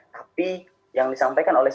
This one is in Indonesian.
tapi yang disampaikan oleh